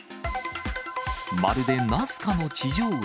まるでナスカの地上絵。